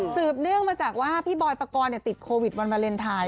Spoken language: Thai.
เนื่องมาจากว่าพี่บอยปกรณ์ติดโควิดวันวาเลนไทย